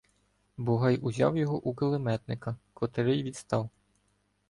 Бугай узяв його у кулеметника, котрий відстав.